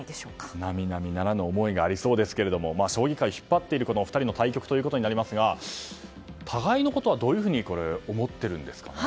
並々ならぬ思いがありそうですが将棋界を引っ張っている２人の対局となりますが互いのことは、どういうふうに思っているんですかね。